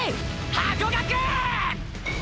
ハコガク！！っ！